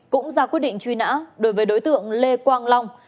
cũng ra quyết định truy nã đối với đối tượng lê quang long